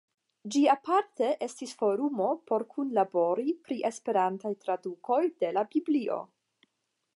Ĝi aparte estis forumo por kunlabori pri Esperantaj tradukoj de la Biblio.